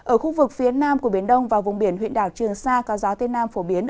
ở khu vực phía nam của biển đông và vùng biển huyện đảo trường sa có gió tây nam phổ biến